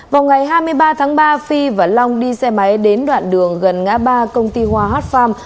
vào ngày hai mươi ba tháng ba phi và long đi xe máy đến đoạn đường gần ngã ba công ty hoa hot farm